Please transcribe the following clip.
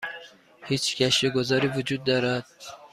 هیچ گشت و گذاری وجود دارد؟